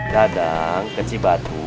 dadang keci batu